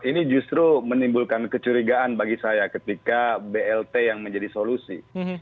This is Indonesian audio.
ini justru menimbulkan kecurigaan bagi saya ketika blt yang menjadi solusi